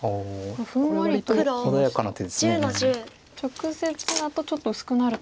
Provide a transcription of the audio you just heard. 直接だとちょっと薄くなると。